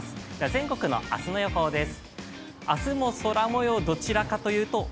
全国の明日の予報です。